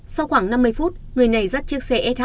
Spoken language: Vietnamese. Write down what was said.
sau khoảng năm mươi phút người này dắt chiếc xe sh